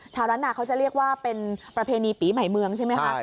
ร้านนาเขาจะเรียกว่าเป็นประเพณีปีใหม่เมืองใช่ไหมคะ